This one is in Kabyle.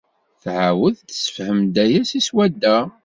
Tɛawed tessefhem-d aya seg swadda.